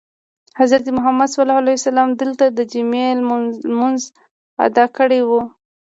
حضرت محمد دلته دجمعې لمونځ ادا کړی وو.